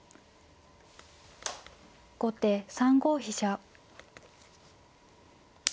後手３五飛車。